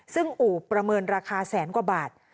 ซึ่งอู่ประเมินราคาแสนกว่าบาท